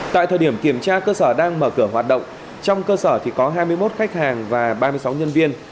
tại thời điểm kiểm tra cơ sở đang mở cửa hoạt động trong cơ sở thì có hai mươi một khách hàng và ba mươi sáu nhân viên